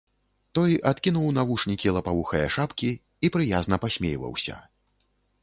Той адкінуў навушнікі лапавухае шапкі і прыязна пасмейваўся.